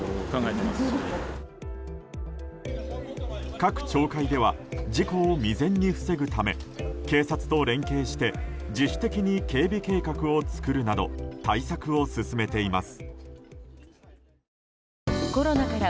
各町会では事故を未然に防ぐため警察と連携して自主的に警備計画を作るなど対策を進めています。